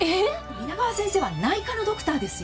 皆川先生は内科のドクターですよ！？